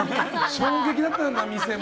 衝撃だったんだな、店も。